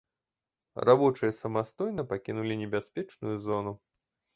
Рабочыя самастойна пакінулі небяспечную зону.